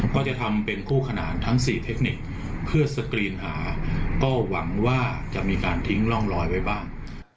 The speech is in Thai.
ก็จะทำเป็นคู่ขนานทั้ง๔เทคนิคเพื่อสกรีนหาก็หวังว่าจะมีการทิ้งร่องรอยไว้บ้าง